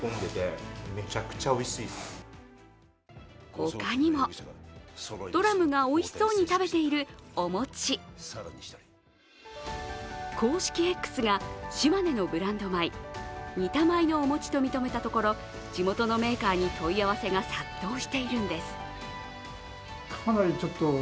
他にもドラムがおいしそうに食べているお餅。公式Ｘが、島根のブランド米仁多米のお餅と認めたところ地元のメーカーに問い合わせが殺到しているんです。